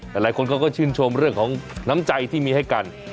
แต่หลายคนเขาก็ชื่นชมเรื่องของน้ำใจที่มีให้กัน